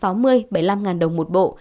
sáu mươi bảy mươi năm ngàn đồng một bộ